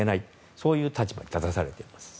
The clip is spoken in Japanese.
そういう立場に立たされています。